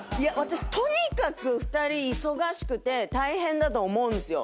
とにかく２人忙しくて大変だと思うんですよ。